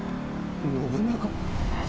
信長。